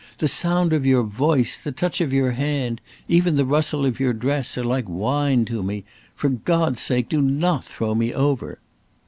The sound of your voice the touch of your hand even the rustle of your dress are like wine to me. For God's sake, do not throw me over!"